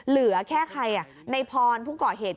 เหลือแค่ใครในพรภุ่งเกราะเหตุ